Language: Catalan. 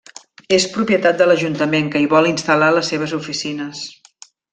És propietat de l'ajuntament que hi vol instal·lar les seves oficines.